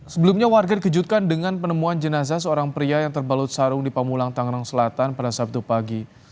sebelumnya warga dikejutkan dengan penemuan jenazah seorang pria yang terbalut sarung di pamulang tangerang selatan pada sabtu pagi